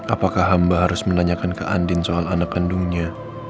apakah hamba harus menanyakan ke andin soal anak kandungnya